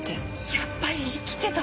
やっぱり生きてた！